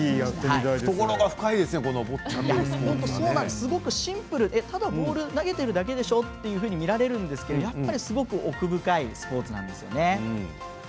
すごくシンプルでただボール投げてるだけでしょって見られるんですけれどもやっぱりすごく奥深いスポーツなんですよね。